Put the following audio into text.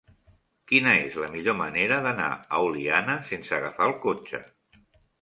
Quina és la millor manera d'anar a Oliana sense agafar el cotxe?